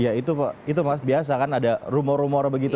ya itu mas biasa kan ada rumor rumor begitu